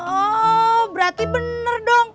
oh berarti bener dong